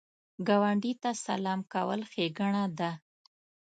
ګاونډي ته سلام کول ښېګڼه ده